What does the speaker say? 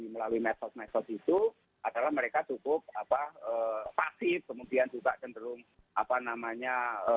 melalui medsos medsos itu adalah mereka cukup pasif kemudian juga cenderung apa namanya